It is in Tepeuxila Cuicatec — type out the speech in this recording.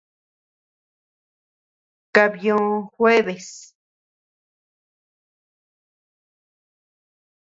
Kabyio jueves.